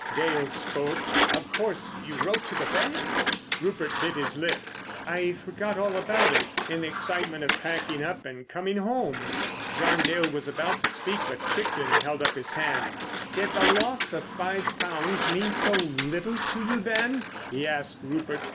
Dale spoke. "Of course you wrote to the bank?" Rupert bit his lip. "I forgot all about it—in the excitement of packing up and coming home." John Dale was about to speak, but Crichton held up his hand. "Did the loss of five pounds mean so little to you, then?" he asked Rupert.